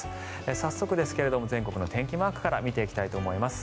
早速ですけれど全国の天気マークから見ていきたいと思います。